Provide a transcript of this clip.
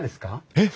えっ！